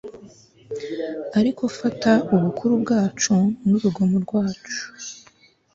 Ariko fata ubukuru bwacu nurugomo rwacu